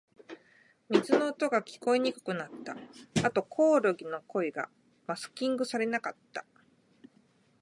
水の音が、聞こえにくくなった。あと、コオロギの声がマスキングされなかった。